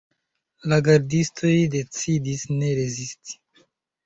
La gardistoj decidis ne rezisti.